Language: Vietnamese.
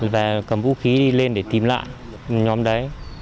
và cầm vũ khí lên để tìm lại nhóm đấy